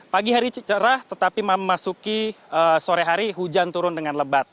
pagi hari cerah tetapi memasuki sore hari hujan turun dengan lebat